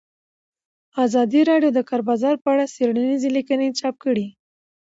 ازادي راډیو د د کار بازار په اړه څېړنیزې لیکنې چاپ کړي.